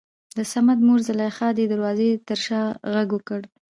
دصمد مور زليخا دې دروازې تر شا غږ وکړ.